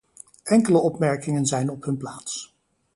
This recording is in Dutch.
Enkele opmerkingen zijn op hun plaats.